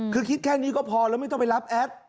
คือคิดแค่นี้ก็พอแล้วไม่ต้องไปรับแอด